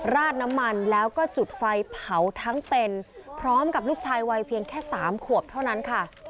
ราดน้ำมันแล้วก็จุดไฟเผาทั้งเป็นพร้อมกับลูกชายวัยเพียงแค่สามขวบเท่านั้นค่ะ